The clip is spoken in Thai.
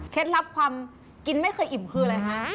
ลับความกินไม่เคยอิ่มคืออะไรคะ